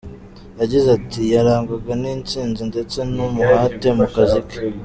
Yagize ati :« Yarangwaga n’intsinzi ndetse n’umuhate mu kazi ke.